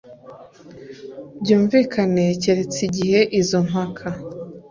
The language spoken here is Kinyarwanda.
Bwumvikane keretse igihe izo mpaka